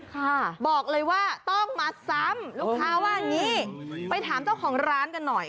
ค่ะบอกเลยว่าต้องมาซ้ำลูกค้าว่าอย่างงี้ไปถามเจ้าของร้านกันหน่อย